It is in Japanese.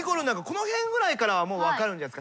この辺ぐらいからはもう分かるんじゃないですか？